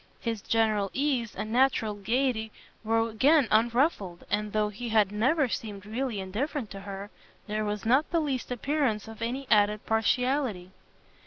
His general ease, and natural gaiety were again unruffled, and though he had never seemed really indifferent to her, there was not the least appearance of any added partiality.